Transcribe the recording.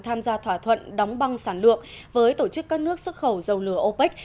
tham gia thỏa thuận đóng băng sản lượng với tổ chức các nước xuất khẩu dầu lửa opec